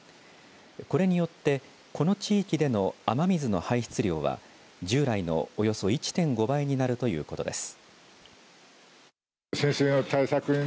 これによってこの地域での雨水の排出量は従来のおよそ１．５倍になるということです。